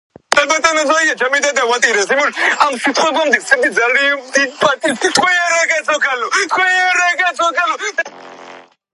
ამიტომ კომპანიის ხელმძღვანელობამ დაიწყო ფიქრი შედარებით დაბალ ფასიანი მოდელების შექმნაზე.